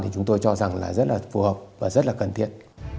thì chúng tôi cho rằng là rất là phù hợp và rất là cần thiết